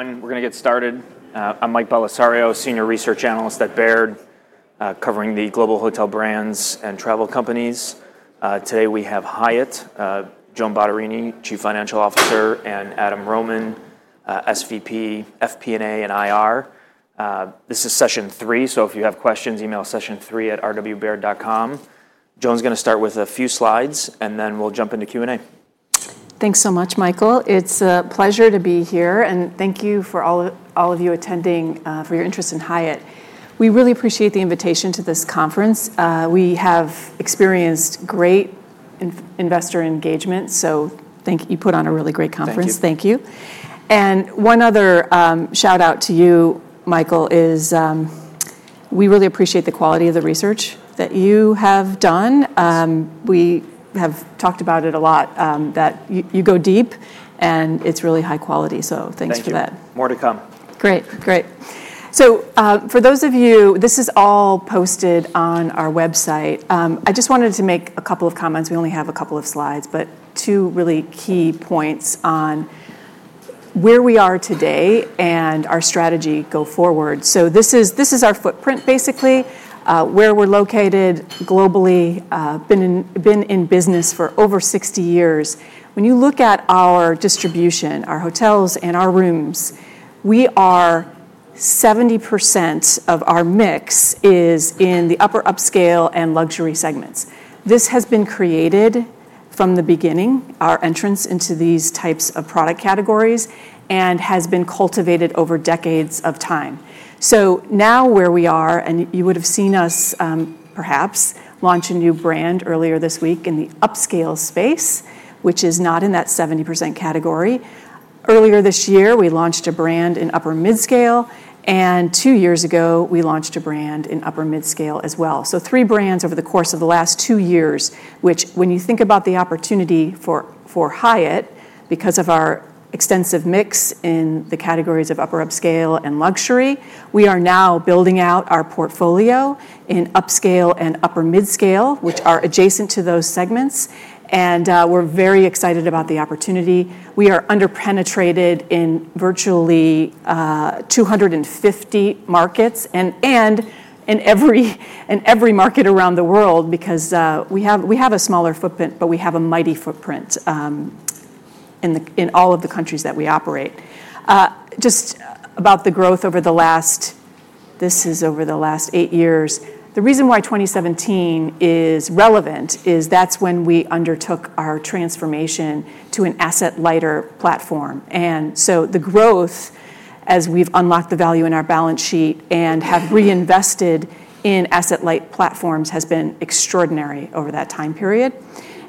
Everyone, we're going to get started. I'm Mike Bellisario, Senior Research Analyst at Baird, covering the global hotel brands and travel companies. Today we have Hyatt, Joan Bottarini, Chief Financial Officer, and Adam Rohman, SVP, FPA, and IR. This is session three, so if you have questions, email session3@rwbaird.com. Joan's going to start with a few slides, and then we'll jump into Q&A. Thanks so much, Michael. It's a pleasure to be here, and thank you for all of you attending, for your interest in Hyatt. We really appreciate the invitation to this conference. We have experienced great investor engagement, so you put on a really great conference. Thank you. Thank you. One other shout-out to you, Michael, is we really appreciate the quality of the research that you have done. We have talked about it a lot, that you go deep, and it is really high quality, so thanks for that. Thanks. More to come. Great, great. For those of you, this is all posted on our website. I just wanted to make a couple of comments. We only have a couple of slides, but two really key points on where we are today and our strategy going forward. This is our footprint, basically, where we are located globally, been in business for over 60 years. When you look at our distribution, our hotels and our rooms, 70% of our mix is in the upper upscale and luxury segments. This has been created from the beginning, our entrance into these types of product categories, and has been cultivated over decades of time. Now where we are, and you would have seen us, perhaps, launch a new brand earlier this week in the upscale space, which is not in that 70% category. Earlier this year, we launched a brand in upper mid-scale, and two years ago, we launched a brand in upper mid-scale as well. Three brands over the course of the last two years, which, when you think about the opportunity for Hyatt, because of our extensive mix in the categories of upper upscale and luxury, we are now building out our portfolio in upscale and upper mid-scale, which are adjacent to those segments, and we are very excited about the opportunity. We are under-penetrated in virtually 250 markets and in every market around the world, because we have a smaller footprint, but we have a mighty footprint in all of the countries that we operate. Just about the growth over the last, this is over the last eight years, the reason why 2017 is relevant is that is when we undertook our transformation to an asset-lighter platform. The growth, as we've unlocked the value in our balance sheet and have reinvested in asset-light platforms, has been extraordinary over that time period.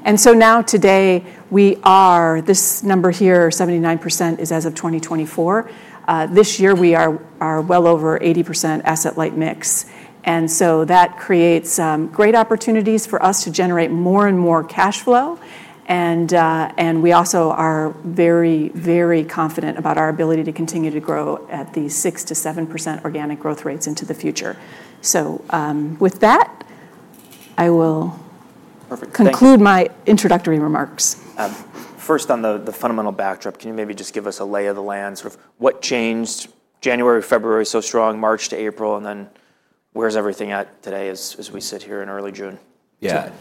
Now today, we are, this number here, 79% is as of 2024. This year, we are well over 80% asset-light mix, and that creates great opportunities for us to generate more and more cash flow, and we also are very, very confident about our ability to continue to grow at these 6%-7% organic growth rates into the future. With that, I will conclude my introductory remarks. First, on the fundamental backdrop, can you maybe just give us a lay of the land? What changed January, February so strong, March to April, and then where's everything at today as we sit here in early June? Yeah.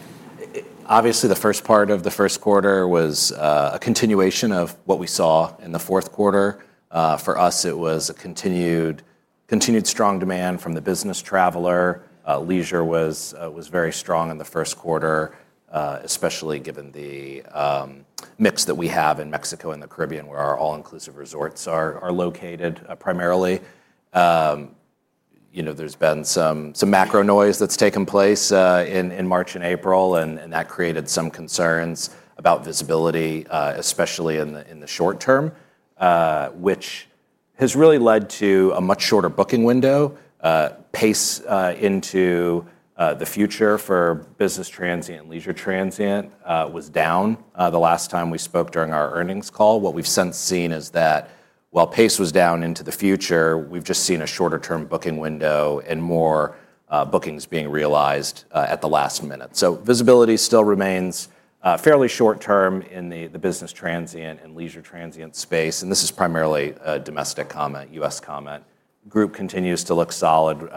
Obviously, the first part of the first quarter was a continuation of what we saw in the fourth quarter. For us, it was a continued strong demand from the business traveler. Leisure was very strong in the first quarter, especially given the mix that we have in Mexico and the Caribbean, where our all-inclusive resorts are located primarily. There has been some macro noise that has taken place in March and April, and that created some concerns about visibility, especially in the short term, which has really led to a much shorter booking window. Pace into the future for business transient and leisure transient was down the last time we spoke during our earnings call. What we have since seen is that while pace was down into the future, we have just seen a shorter-term booking window and more bookings being realized at the last minute. Visibility still remains fairly short-term in the business-transient and leisure-transient space, and this is primarily a domestic comment, U.S. comment. Group continues to look solid.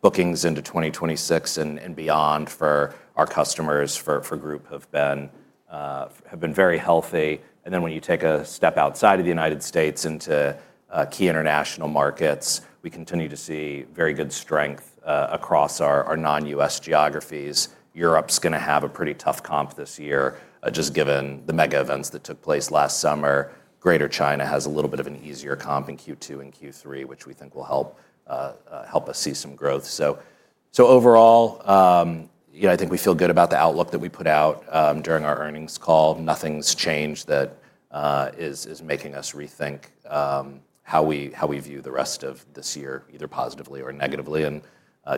Bookings into 2026 and beyond for our customers, for group, have been very healthy. When you take a step outside of the United States into key international markets, we continue to see very good strength across our non-U.S. geographies. Europe's going to have a pretty tough comp this year, just given the mega events that took place last summer. Greater China has a little bit of an easier comp in Q2 and Q3, which we think will help us see some growth. Overall, I think we feel good about the outlook that we put out during our earnings call. Nothing's changed that is making us rethink how we view the rest of this year, either positively or negatively.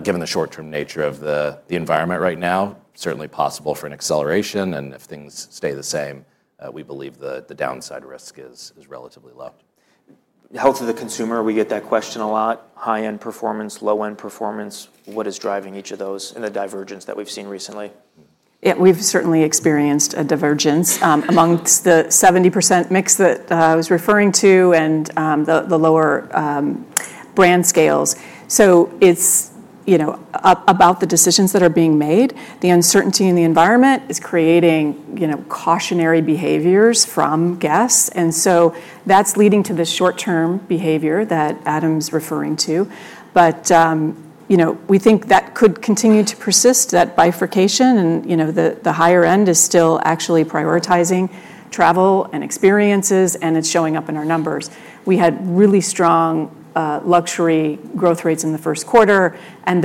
Given the short-term nature of the environment right now, certainly possible for an acceleration, and if things stay the same, we believe the downside risk is relatively low. Health of the consumer, we get that question a lot. High-end performance, low-end performance, what is driving each of those in the divergence that we've seen recently? Yeah, we've certainly experienced a divergence amongst the 70% mix that I was referring to and the lower brand scales. It is about the decisions that are being made. The uncertainty in the environment is creating cautionary behaviors from guests, and that is leading to the short-term behavior that Adam's referring to. We think that could continue to persist, that bifurcation, and the higher end is still actually prioritizing travel and experiences, and it is showing up in our numbers. We had really strong luxury growth rates in the first quarter, and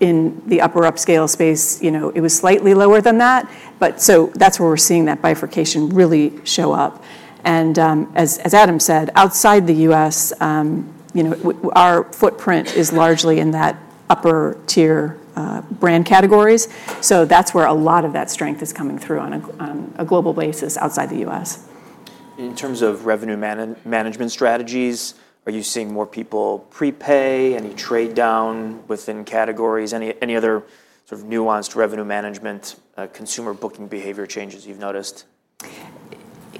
in the upper upscale space, it was slightly lower than that. That is where we are seeing that bifurcation really show up. As Adam said, outside the U.S., our footprint is largely in those upper-tier brand categories. That is where a lot of that strength is coming through on a global basis outside the U.S. In terms of revenue management strategies, are you seeing more people prepay, any trade-down within categories? Any other nuanced revenue management, consumer booking behavior changes you've noticed?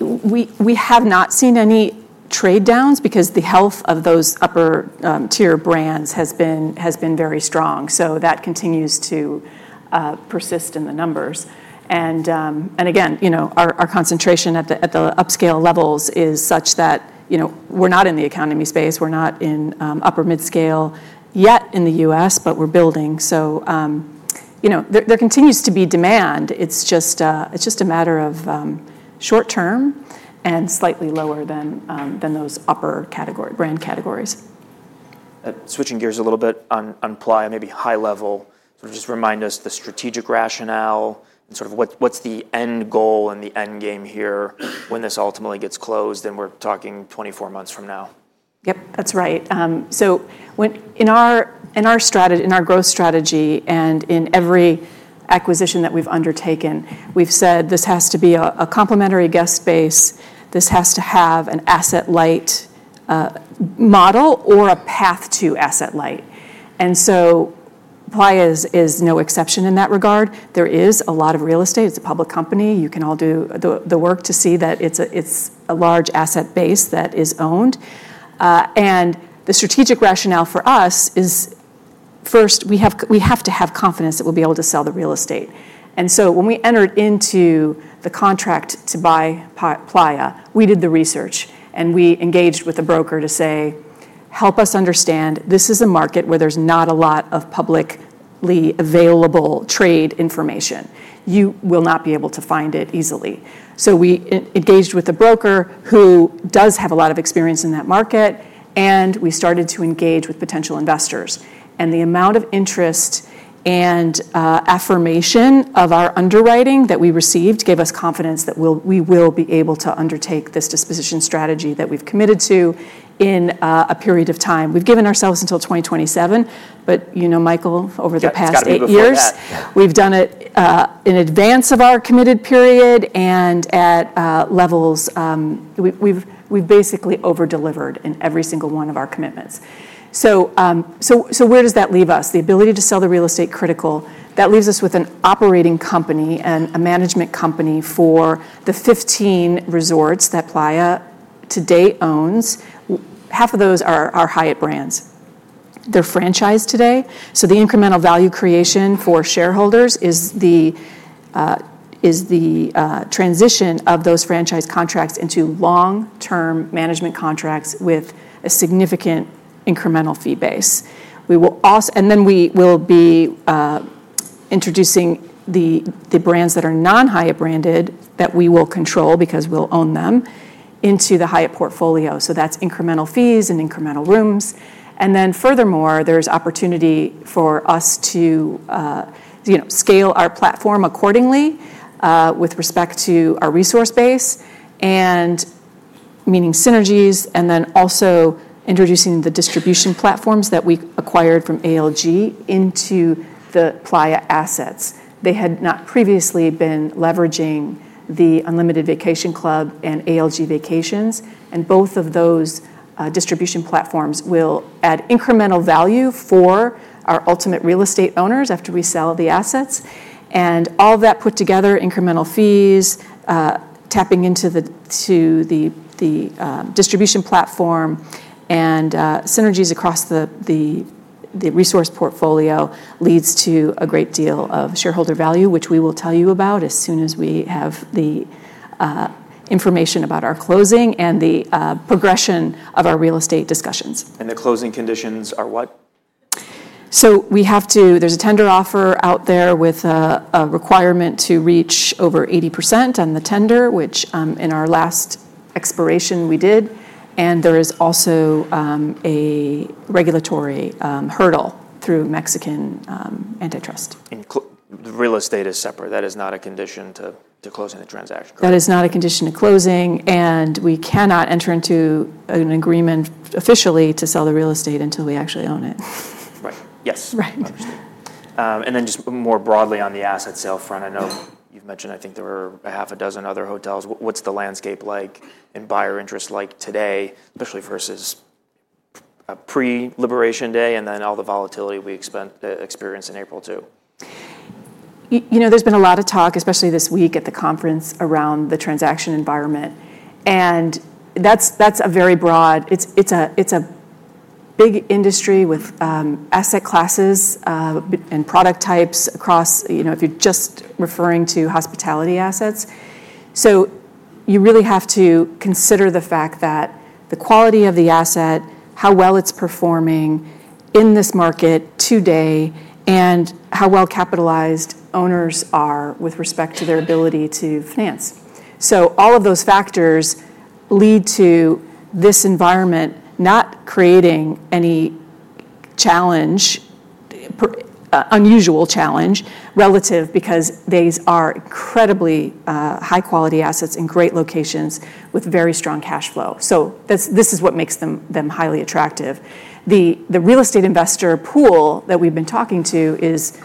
We have not seen any trade-downs because the health of those upper-tier brands has been very strong, so that continues to persist in the numbers. Again, our concentration at the upscale levels is such that we're not in the economy space, we're not in upper mid-scale yet in the U.S., but we're building. There continues to be demand. It's just a matter of short-term and slightly lower than those upper brand categories. Switching gears a little bit on Playa and maybe high level, just remind us the strategic rationale and what's the end goal and the end game here when this ultimately gets closed, and we're talking 24 months from now. Yep, that's right. In our growth strategy and in every acquisition that we've undertaken, we've said this has to be a complementary guest base, this has to have an asset-light model or a path to asset-light. Playa is no exception in that regard. There is a lot of real estate. It's a public company. You can all do the work to see that it's a large asset base that is owned. The strategic rationale for us is, first, we have to have confidence that we'll be able to sell the real estate. When we entered into the contract to buy Playa, we did the research, and we engaged with a broker to say, "Help us understand. This is a market where there's not a lot of publicly available trade information. You will not be able to find it easily. We engaged with a broker who does have a lot of experience in that market, and we started to engage with potential investors. The amount of interest and affirmation of our underwriting that we received gave us confidence that we will be able to undertake this disposition strategy that we have committed to in a period of time. We have given ourselves until 2027, but you know, Michael, over the past few years, we have done it in advance of our committed period and at levels we have basically over-delivered in every single one of our commitments. Where does that leave us? The ability to sell the real estate is critical, that leaves us with an operating company and a management company for the 15 resorts that Playa to date owns. Half of those are Hyatt brands. They're franchised today, so the incremental value creation for shareholders is the transition of those franchise contracts into long-term management contracts with a significant incremental fee base. We will be introducing the brands that are non-Hyatt branded that we will control because we'll own them into the Hyatt portfolio. That's incremental fees and incremental rooms. Furthermore, there's opportunity for us to scale our platform accordingly with respect to our resource base, meaning synergies, and also introducing the distribution platforms that we acquired from ALG into the Playa assets. They had not previously been leveraging the Unlimited Vacation Club and ALG Vacations, and both of those distribution platforms will add incremental value for our ultimate real estate owners after we sell the assets. All that put together, incremental fees, tapping into the distribution platform and synergies across the resort portfolio leads to a great deal of shareholder value, which we will tell you about as soon as we have the information about our closing and the progression of our real estate discussions. What are the closing conditions? There is a tender offer out there with a requirement to reach over 80% on the tender, which in our last expiration we did, and there is also a regulatory hurdle through Mexican antitrust. Real estate is separate. That is not a condition to closing the transaction. That is not a condition to closing, and we cannot enter into an agreement officially to sell the real estate until we actually own it. Right. Yes. Right. Understood. And then just more broadly on the asset sale front, I know you've mentioned, I think there were half-a-dozen other hotels. What's the landscape like and buyer interest like today, especially versus pre-liberation day and then all the volatility we experienced in April too? There's been a lot of talk, especially this week at the conference, around the transaction environment, and that's a very broad, it's a big industry with asset classes and product types across, if you're just referring to hospitality assets. You really have to consider the fact that the quality of the asset, how well it's performing in this market today, and how well capitalized owners are with respect to their ability to finance. All of those factors lead to this environment not creating any unusual challenge relative because these are incredibly high-quality assets in great locations with very strong cash flow. This is what makes them highly attractive. The real estate investor pool that we've been talking to is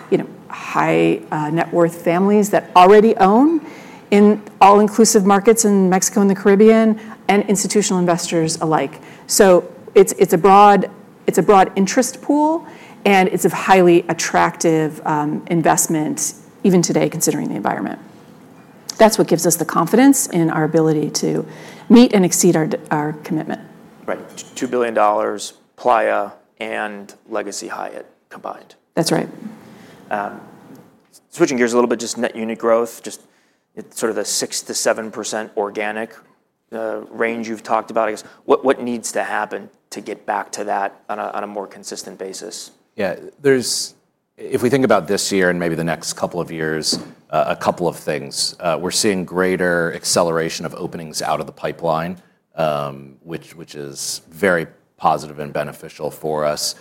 high-net-worth families that already own in all-inclusive markets in Mexico and the Caribbean and institutional investors alike. It's a broad interest pool, and it's a highly attractive investment even today, considering the environment. That's what gives us the confidence in our ability to meet and exceed our commitment. Right. $2 billion, Playa and legacy Hyatt combined. That's right. Switching gears a little bit, just net unit growth, just sort of the 6%-7% organic range you've talked about. What needs to happen to get back to that on a more consistent basis? Yeah. If we think about this year and maybe the next couple of years, a couple of things. We're seeing greater acceleration of openings out of the pipeline, which is very positive and beneficial for us.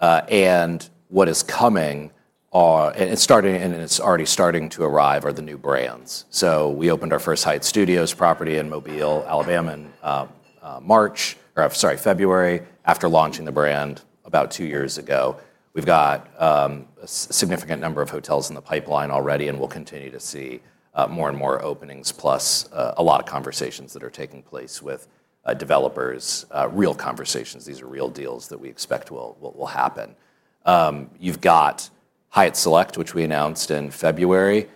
What is coming, and it's already starting to arrive, are the new brands. We opened our first Hyatt Studios property in Mobile, Alabama, in March, or sorry, February, after launching the brand about two years ago. We've got a significant number of hotels in the pipeline already, and we'll continue to see more and more openings, plus a lot of conversations that are taking place with developers, real conversations. These are real deals that we expect will happen. You've got Hyatt Select, which we announced in February,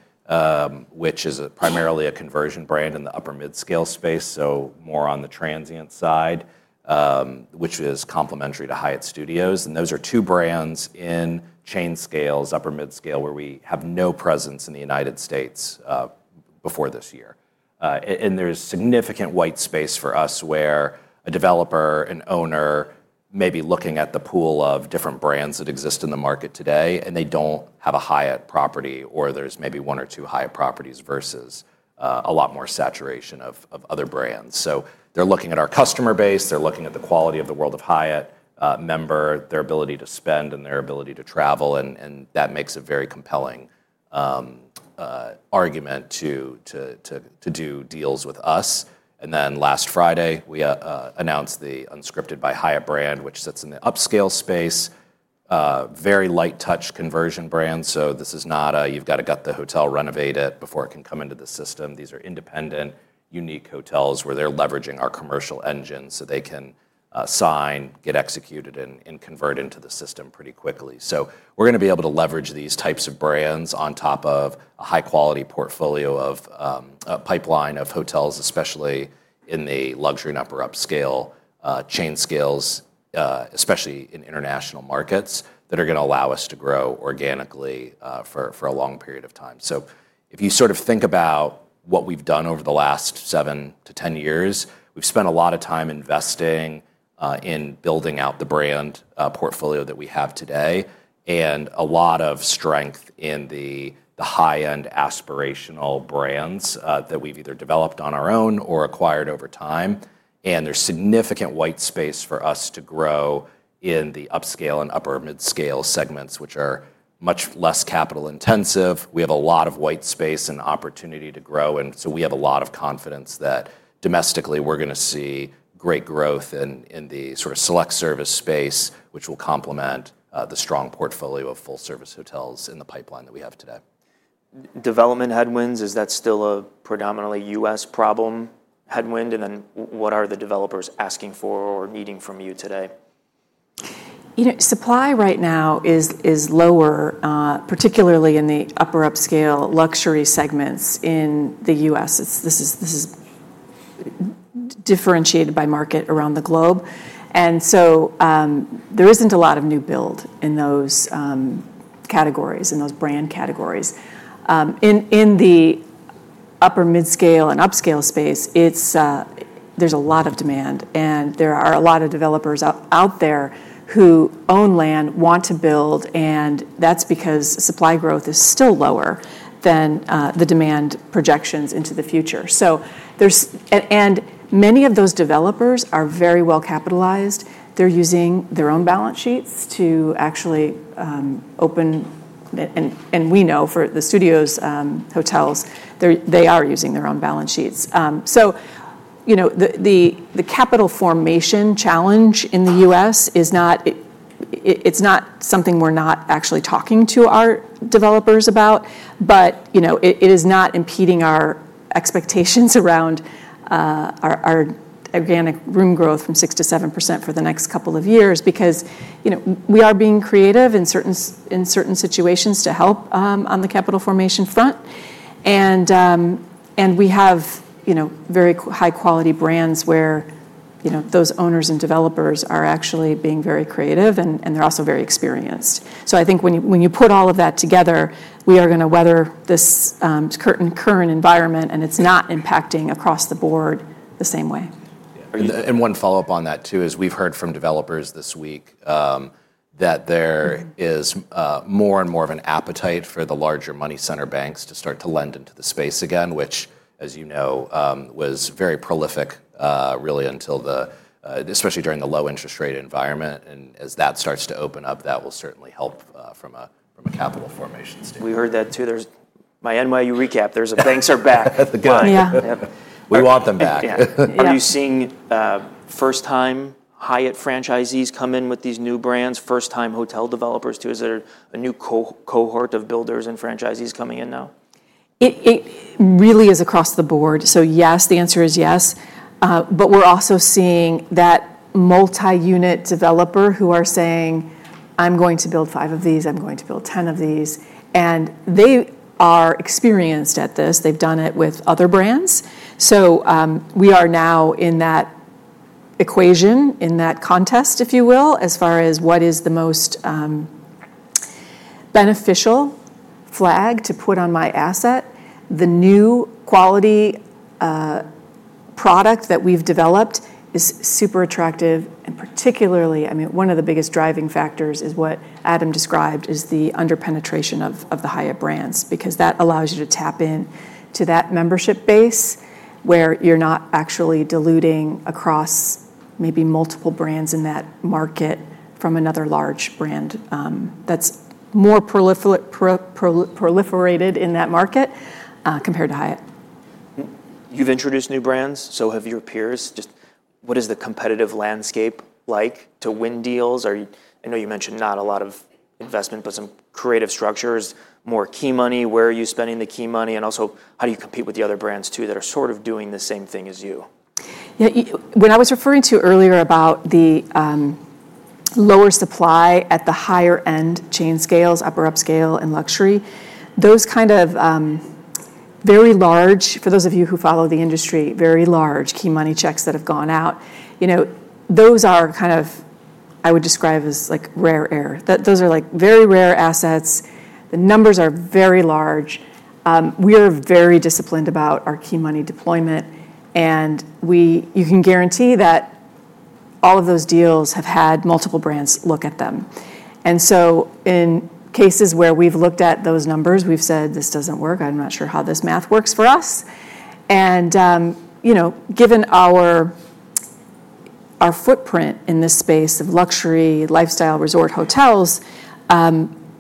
which is primarily a conversion brand in the upper-mid-scale space, so more on the transient side, which is complementary to Hyatt Studios. Those are two brands in chain scales, upper-mid-scale, where we have no presence in the United States before this year. There is significant white space for us where a developer, an owner, may be looking at the pool of different brands that exist in the market today, and they do not have a Hyatt property, or there is maybe one or two Hyatt properties versus a lot more saturation of other brands. They are looking at our customer base, they are looking at the quality of the World of Hyatt member, their ability to spend, and their ability to travel, and that makes a very compelling argument to do deals with us. Last Friday, we announced the Unscripted by Hyatt brand, which sits in the upscale space, very light-touch conversion brand. This is not a, you have got to get the hotel renovated before it can come into the system. These are independent, unique hotels where they're leveraging our commercial engines so they can sign, get executed, and convert into the system pretty quickly. We're going to be able to leverage these types of brands on top of a high-quality portfolio of pipeline of hotels, especially in the luxury and upper-upscale chain scales, especially in international markets that are going to allow us to grow organically for a long period of time. If you sort of think about what we've done over the last seven to 10 years, we've spent a lot of time investing in building out the brand portfolio that we have today and a lot of strength in the high-end aspirational brands that we've either developed on our own or acquired over time. There's significant white space for us to grow in the upscale and upper-mid-scale segments, which are much less capital intensive. We have a lot of white space and opportunity to grow, and so we have a lot of confidence that domestically we are going to see great growth in the sort of select service space, which will complement the strong portfolio of full-service hotels in the pipeline that we have today. Development headwinds, is that still a predominantly U.S. problem headwind? What are the developers asking for or needing from you today? Supply right now is lower, particularly in the upper-upscale luxury segments in the U.S. This is differentiated by market around the globe. There is not a lot of new build in those categories, in those brand categories. In the upper-mid-scale and upscale space, there is a lot of demand, and there are a lot of developers out there who own land, want to build, and that is because supply growth is still lower than the demand projections into the future. Many of those developers are very well capitalized. They are using their own balance sheets to actually open, and we know for the studios, hotels, they are using their own balance sheets. The capital formation challenge in the U.S., it's not something we're not actually talking to our developers about, but it is not impeding our expectations around our organic room growth from 6%-7% for the next couple of years because we are being creative in certain situations to help on the capital formation front. We have very high-quality brands where those owners and developers are actually being very creative, and they're also very experienced. I think when you put all of that together, we are going to weather this current environment, and it's not impacting across the board the same way. One follow-up on that too is we've heard from developers this week that there is more and more of an appetite for the larger money center banks to start to lend into the space again, which, as you know, was very prolific really until the, especially during the low-interest rate environment. As that starts to open up, that will certainly help from a capital formation standpoint. We heard that too. My NYU recap, there's a, [banks] are back. Yeah. We want them back. Are you seeing first-time Hyatt franchisees come in with these new brands, first-time hotel developers too? Is there a new cohort of builders and franchisees coming in now? It really is across the board. Yes, the answer is yes. We are also seeing that multi-unit developer who are saying, "I'm going to build five of these, I'm going to build ten of these." They are experienced at this. They've done it with other brands. We are now in that equation, in that contest, if you will, as far as what is the most beneficial flag to put on my asset. The new quality product that we've developed is super attractive, and particularly, I mean, one of the biggest driving factors is what Adam described is the under-penetration of the Hyatt brands because that allows you to tap into that membership base where you're not actually diluting across maybe multiple brands in that market from another large brand that's more proliferated in that market compared to Hyatt. You've introduced new brands, so have your peers. Just what is the competitive landscape like to win deals? I know you mentioned not a lot of investment, but some creative structures, more key money, where are you spending the key money, and also how do you compete with the other brands too that are sort of doing the same thing as you? Yeah. When I was referring to earlier about the lower supply at the higher-end chain scales, upper-upscale and luxury, those kind of very large, for those of you who follow the industry, very large key money checks that have gone out, those are kind of, I would describe as rare air. Those are very rare assets. The numbers are very large. We are very disciplined about our key money deployment, and you can guarantee that all of those deals have had multiple brands look at them. In cases where we've looked at those numbers, we've said, "This doesn't work. I'm not sure how this math works for us." Given our footprint in this space of luxury, lifestyle, resort hotels,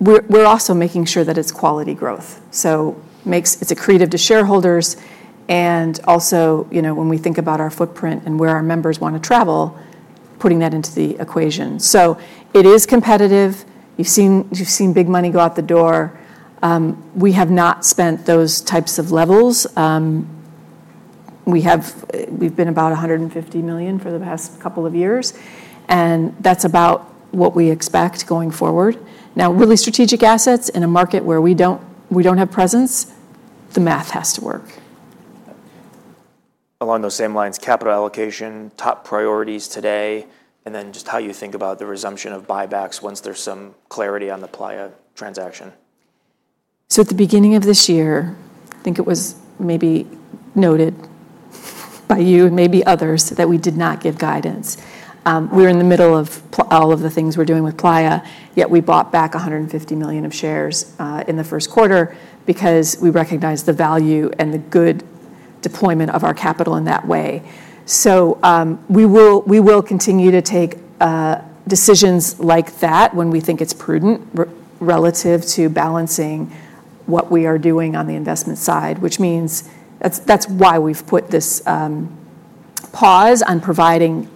we're also making sure that it's quality growth. It is accretive to shareholders, and also when we think about our footprint and where our members want to travel, putting that into the equation. It is competitive. You have seen big money go out the door. We have not spent those types of levels. We have been about $150 million for the past couple of years, and that is about what we expect going forward. Now, really strategic assets in a market where we do not have presence, the math has to work. Along those same lines, capital allocation, top priorities today, and then just how you think about the resumption of buybacks once there's some clarity on the Playa transaction. At the beginning of this year, I think it was maybe noted by you and maybe others that we did not give guidance. We were in the middle of all of the things we're doing with Playa, yet we bought back $150 million of shares in the first quarter because we recognized the value and the good deployment of our capital in that way. We will continue to take decisions like that when we think it's prudent relative to balancing what we are doing on the investment side, which means that's why we've put this pause on providing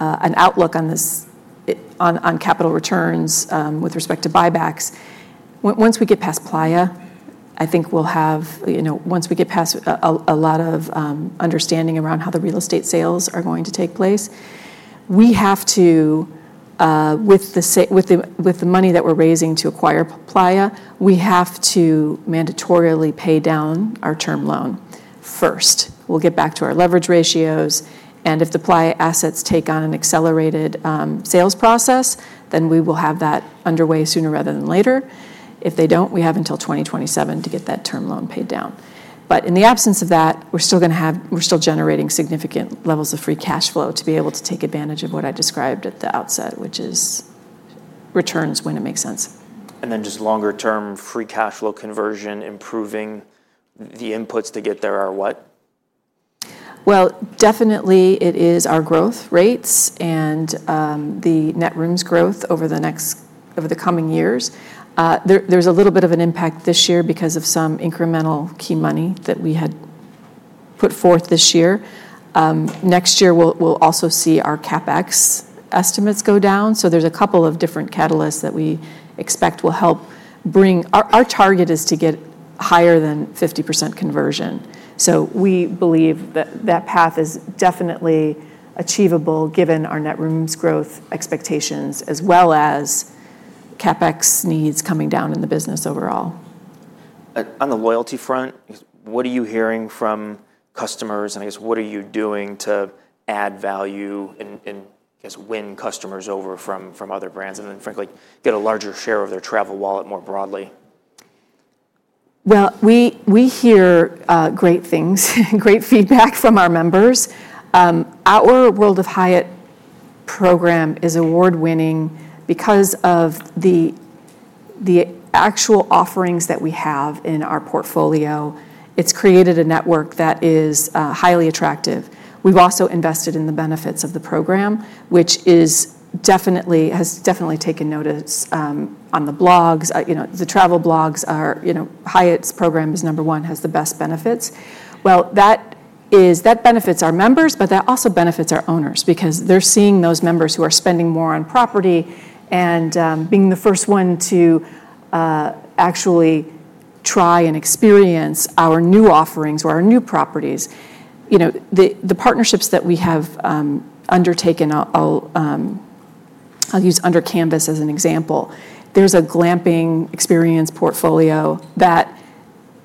an outlook on capital returns with respect to buybacks. Once we get past Playa, I think we'll have, once we get past a lot of understanding around how the real estate sales are going to take place, we have to, with the money that we're raising to acquire Playa, we have to mandatorily pay down our term loan first. We'll get back to our leverage ratios, and if the Playa assets take on an accelerated sales process, then we will have that underway sooner rather than later. If they do not, we have until 2027 to get that term loan paid down. In the absence of that, we're still going to have, we're still generating significant levels of free cash flow to be able to take advantage of what I described at the outset, which is returns when it makes sense. Just longer-term free cash flow conversion, improving the inputs to get there are what? It is definitely our growth rates and the net rooms growth over the coming years. There is a little bit of an impact this year because of some incremental key money that we had put forth this year. Next year, we will also see our CapEx estimates go down. There are a couple of different catalysts that we expect will help bring, our target is to get higher than 50% conversion. We believe that that path is definitely achievable given our net rooms growth expectations as well as CapEx needs coming down in the business overall. On the loyalty front, what are you hearing from customers? I guess, what are you doing to add value and, I guess, win customers over from other brands and then frankly get a larger share of their travel wallet more broadly? We hear great things, great feedback from our members. Our World of Hyatt program is award-winning because of the actual offerings that we have in our portfolio. It's created a network that is highly attractive. We've also invested in the benefits of the program, which has definitely taken notice on the blogs. The travel blogs are, Hyatt's program is number one, has the best benefits. That benefits our members, but that also benefits our owners because they're seeing those members who are spending more on property and being the first one to actually try and experience our new offerings or our new properties. The partnerships that we have undertaken, I'll use Under Canvas as an example, there's a glamping experience portfolio that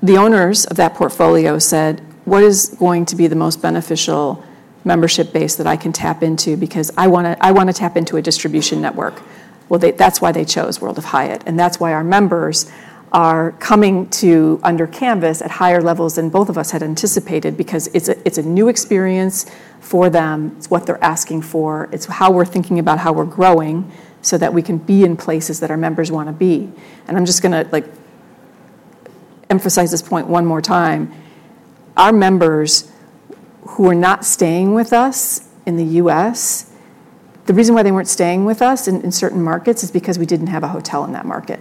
the owners of that portfolio said, "What is going to be the most beneficial membership base that I can tap into because I want to tap into a distribution network?" That is why they chose World of Hyatt, and that is why our members are coming to Under Canvas at higher levels than both of us had anticipated because it's a new experience for them. It's what they're asking for. It's how we're thinking about how we're growing so that we can be in places that our members want to be. I am just going to emphasize this point one more time. Our members who are not staying with us in the U.S., the reason why they were not staying with us in certain markets is because we did not have a hotel in that market.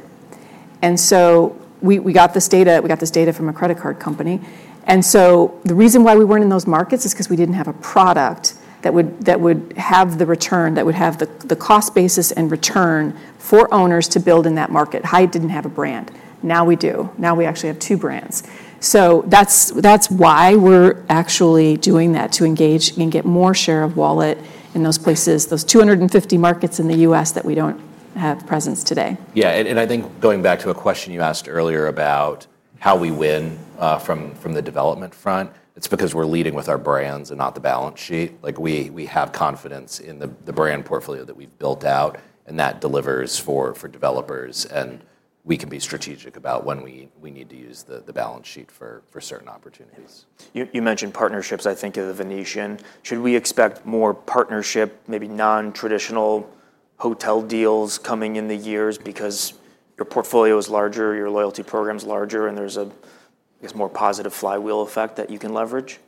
We got this data, we got this data from a credit card company. The reason why we were not in those markets is because we did not have a product that would have the return, that would have the cost basis and return for owners to build in that market. Hyatt did not have a brand. Now we do. Now we actually have two brands. That is why we are actually doing that to engage and get more share of wallet in those places, those 250 markets in the U.S. that we do not have presence today. Yeah. I think going back to a question you asked earlier about how we win from the development front, it's because we're leading with our brands and not the balance sheet. We have confidence in the brand portfolio that we've built out, and that delivers for developers, and we can be strategic about when we need to use the balance sheet for certain opportunities. You mentioned partnerships. I think of The Venetian. Should we expect more partnership, maybe non-traditional hotel deals coming in the years because your portfolio is larger, your loyalty program's larger, and there's a, I guess, more positive flywheel effect that you can leverage?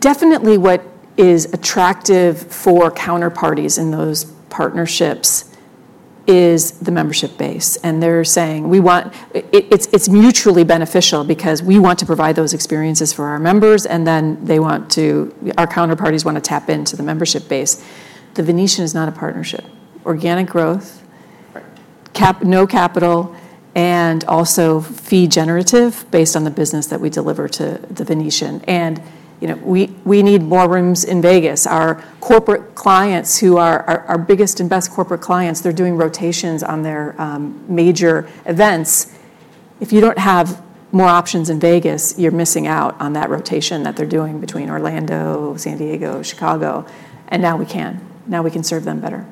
Definitely what is attractive for counterparties in those partnerships is the membership base. They are saying, "We want, it's mutually beneficial because we want to provide those experiences for our members, and then they want to, our counterparties want to tap into the membership base." The Venetian is not a partnership. Organic growth, no capital, and also fee-generative based on the business that we deliver to The Venetian. We need more rooms in Las Vegas. Our corporate clients who are our biggest and best corporate clients, they are doing rotations on their major events. If you do not have more options in Las Vegas, you are missing out on that rotation that they are doing between Orlando, San Diego, Chicago. Now we can. Now we can serve them better.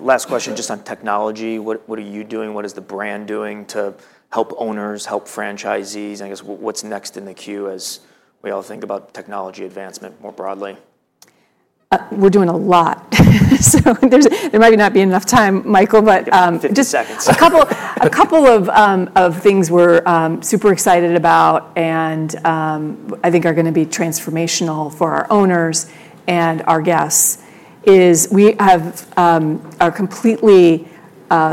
Last question just on technology. What are you doing? What is the brand doing to help owners, help franchisees? I guess what is next in the queue as we all think about technology advancement more broadly? We're doing a lot. There might not be enough time, Michael, but just a couple of things we're super excited about and I think are going to be transformational for our owners and our guests is we are completely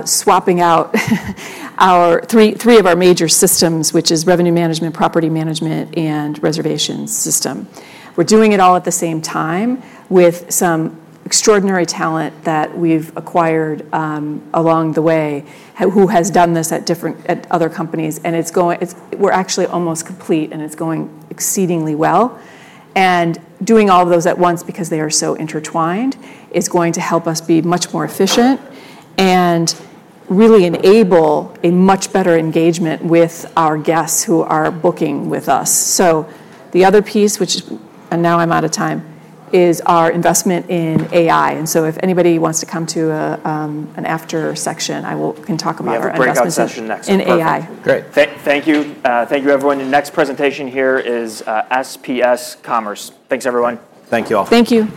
swapping out three of our major systems, which is revenue management, property management, and reservation system. We're doing it all at the same time with some extraordinary talent that we've acquired along the way who has done this at other companies. We're actually almost complete, and it's going exceedingly well. Doing all of those at once because they are so intertwined is going to help us be much more efficient and really enable a much better engagement with our guests who are booking with us. The other piece, which now I'm out of time, is our investment in AI. If anybody wants to come to an after session, I can talk about our investment in AI. Yeah. The breakout session next. Perfect. Great. Thank you. Thank you, everyone. Your next presentation here is SPS Commerce. Thanks, everyone. Thank you all. Thank you.